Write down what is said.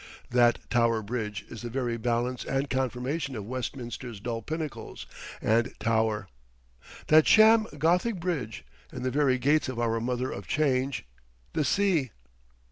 That Tower Bridge is the very balance and confirmation of Westminster's dull pinnacles and tower. That sham Gothic bridge; in the very gates of our mother of change, the Sea!